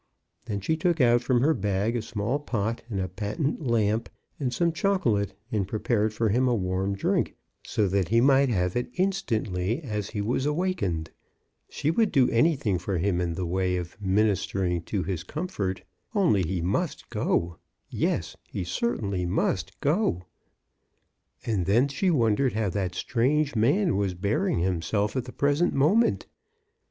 Then she took out from her bag a small pot and a patent lamp and some chocolate, and prepared for him a warm drink, so that he might have it instantly as he was awakened. She would do or him in the way ■ing to his comfort must go! Yes, y must go ! len she wondered how that strange man was bear ing himself at the present mo ment.